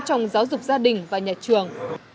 trong giáo dục gia đình và nhà trường